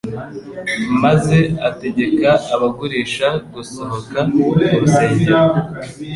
maze ategeka abagurisha gusohoka mu rusengero.